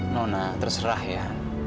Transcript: nona terserah ya